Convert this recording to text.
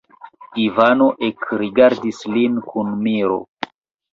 Ivano ekrigardis lin kun miro.